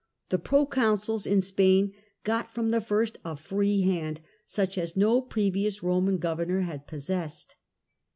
The pro consuls in Spain got from the first a free hand such as no previous Roman governor had possessed.